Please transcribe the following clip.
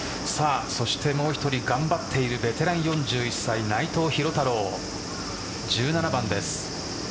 もう１人頑張っているベテラン４１歳内藤寛太郎１７番です。